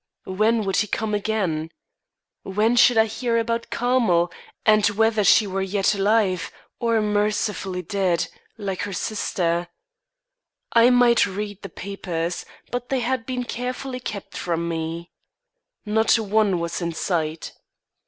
When would he come again? When should I hear about Carmel, and whether she were yet alive, or mercifully dead, like her sister? I might read the papers, but they had been carefully kept from me. Not one was in sight.